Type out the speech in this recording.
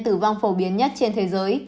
tử vong phổ biến nhất trên thế giới